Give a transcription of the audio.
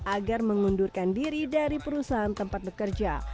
agar mengundurkan diri dari perusahaan tempat bekerja